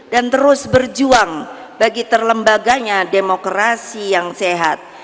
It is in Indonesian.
dan terus berjuang bagi terlembaganya demokrasi yang sehat